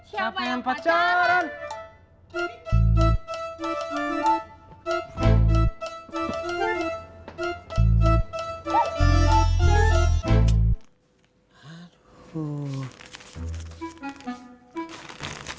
ih siapa yang pacaran